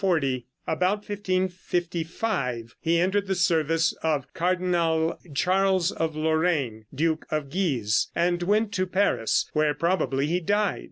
About 1555 he entered the service of Cardinal Charles of Lorraine, duke of Guise, and went to Paris, where probably he died.